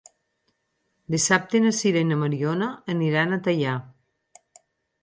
Dissabte na Sira i na Mariona aniran a Teià.